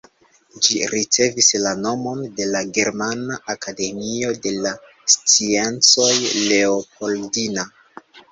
Ĝi ricevis la nomon de la Germana Akademio de la Sciencoj Leopoldina.